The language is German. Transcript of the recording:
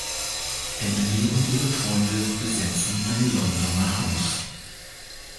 Emily und ihre Freunde besetzen ein Londoner Haus.